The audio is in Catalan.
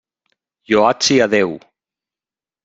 Lloat sia Déu!